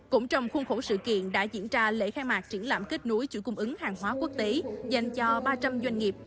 cũng trong khuôn khổ sự kiện đã diễn ra lễ khai mạc triển lãm kết nối chuỗi cung ứng hàng hóa quốc tế dành cho ba trăm linh doanh nghiệp